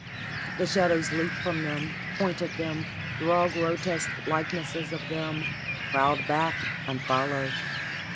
The shadows leap from them, point at them, draw grotesque likenesses of them, crowd back and follow.